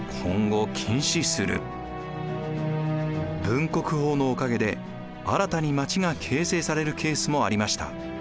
分国法のおかげで新たに町が形成されるケースもありました。